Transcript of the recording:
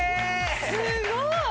すごーい